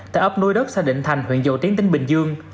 tại ốc nuôi đất xa định thành huyện dầu tiến bình dương